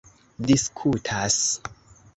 diskutas